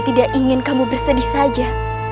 tidak ingin kamu bersedih saja